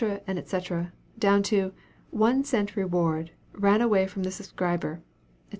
&c., down to "One Cent Reward Ran away from the Subscriber," &c.